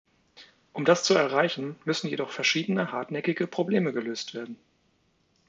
Um das zu erreichen, müssen jedoch verschiedene hartnäckige Probleme gelöst werden.